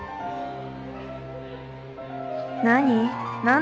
何？